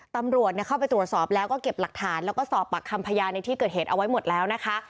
ตำรวจเข้าไปตรวจสอบแล้วก็เก็บหลักฐานแล้วก็สอบปากคำพยานในที่เกิดเหตุเอาไว้หมดแล้วนะคะ